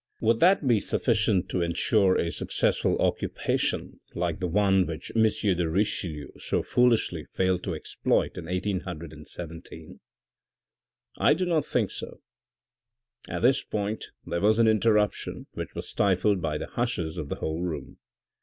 Would that be sufficient to ensure a successful occupation like the one which M. de Richelieu so foolishly failed to exploit in 181 7 ? I do not think so." At this point there was an interruption which was stifled by the hushes of the whole room.